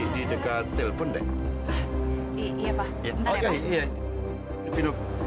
di dekat telepon deh